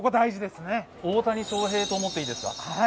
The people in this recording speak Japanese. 大谷翔平と思っていいですか。